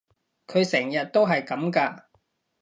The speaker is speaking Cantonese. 佢成日都係噉㗎？